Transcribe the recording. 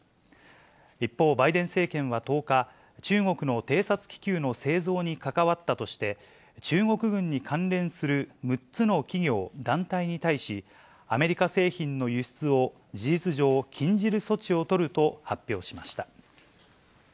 一方、バイデン政権は１０日、中国の偵察気球の製造に関わったとして、中国軍に関連する６つの企業・団体に対し、アメリカ製品の輸出を、事実上、禁じる措置を取ると発表しました。